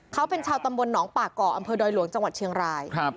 เขาเป็นชาวตำบลหนองป่าก่ออำเภอดอยหลวงจังหวัดเชียงราย